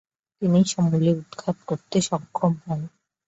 তিনি সমুলে উৎখাত করতে সক্ষম হন।